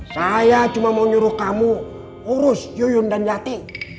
saya cuma mau nyuruh kamu urus yuyun dan yati